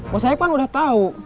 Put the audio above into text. bos saeb kan udah tau